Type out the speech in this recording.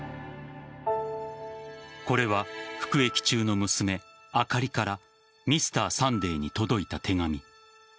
これは服役中の娘・あかりから「Ｍｒ．サンデー」に届いた手紙。